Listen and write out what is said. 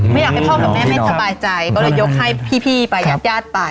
ไม่อยากให้พ่อแม่ไม่สบายใจก็เลยยกให้พี่ไปยาดไป